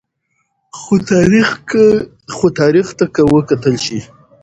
خو تاریخ ته که وکتل شي